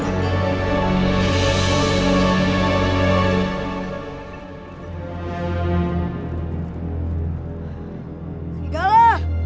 mana situ serigala